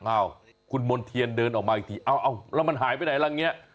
อ้าวคุณมณ์เทียนเดินออกมาอีกทีเอ้าแล้วมันหายไปไหนล่ะเนี่ย